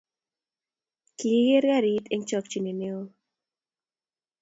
kiker kari eng' chokchine neoo